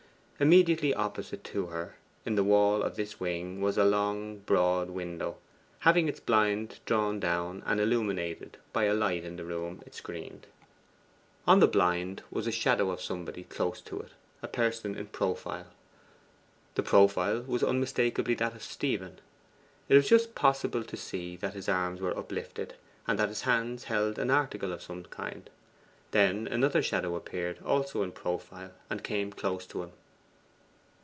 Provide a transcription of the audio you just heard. Immediately opposite to her, in the wall of this wing, was a large broad window, having its blind drawn down, and illuminated by a light in the room it screened. On the blind was a shadow from somebody close inside it a person in profile. The profile was unmistakably that of Stephen. It was just possible to see that his arms were uplifted, and that his hands held an article of some kind. Then another shadow appeared also in profile and came close to him.